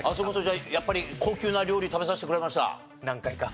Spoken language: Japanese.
じゃあやっぱり高級な料理食べさせてくれました？